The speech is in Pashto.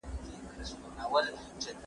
کار باید په دقت او تمرکز ترسره شي.